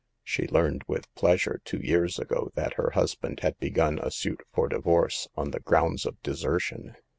She learned with pleasure, two years ago, that her husband had begun a suit for divorce on the ground of desertion.